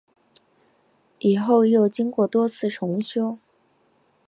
以后又经过多次重修。